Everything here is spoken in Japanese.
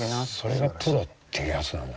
それがプロっていうやつなんだね。